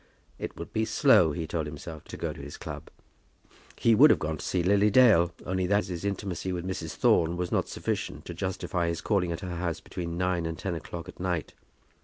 It would be slow, he told himself, to go to his club. He would have gone to see Lily Dale, only that his intimacy with Mrs. Thorne was not sufficient to justify his calling at her house between nine and ten o'clock at night.